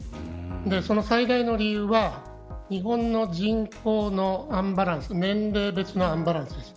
その最大の理由は日本の人口のアンバランス年齢別のアンバランスです。